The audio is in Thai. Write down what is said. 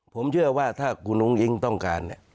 ผมเชื่อว่าถ้าคุณอุ้งอิ๊งต้องการเนี่ย